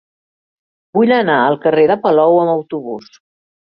Vull anar al carrer de Palou amb autobús.